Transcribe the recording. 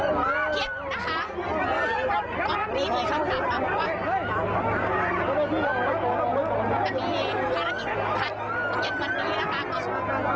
มีภารกิจถัดตอนเย็นวันนี้นะคะก็มีของเวิร์ดเศรษฐ์ค่ะ